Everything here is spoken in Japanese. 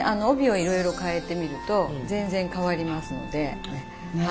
帯をいろいろ変えてみると全然変わりますので。